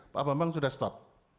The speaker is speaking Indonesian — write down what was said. pak bambang sudah stop